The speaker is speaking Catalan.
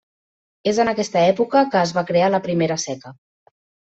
És en aquesta època que es va crear la primera seca.